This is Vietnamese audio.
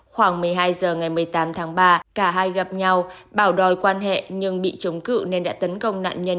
khoảng một mươi hai h ngày một mươi tám tháng ba cả hai gặp nhau bảo đòi quan hệ nhưng bị chống cự nên đã tấn công nạn nhân